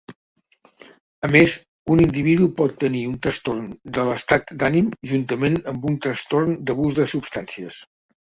A més, un individu pot tenir un trastorn de l'estat d'ànim juntament amb un trastorn d'abús de substàncies.